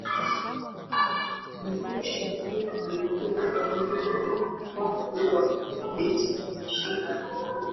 alirusha vitu juu ya meli watu wapate cha kushika